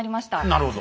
なるほど。